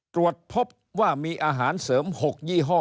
ตรวจพบว่ามีอาหารเสริม๖ยี่ห้อ